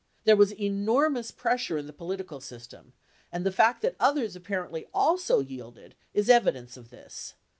"There was enormous pressure in the political system, and the fact that others apparently also yielded is evidence of this.